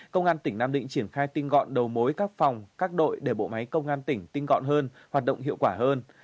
công an tỉnh nam định triển khai tinh gọn đầu mối các phòng các đội để bộ máy công an tỉnh tinh gọn hơn hoạt động hiệu quả hơn